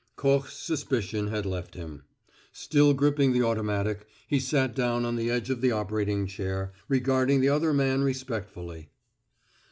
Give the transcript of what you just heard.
Koch's suspicion had left him. Still gripping the automatic, he sat down on the edge of the operating chair, regarding the other man respectfully.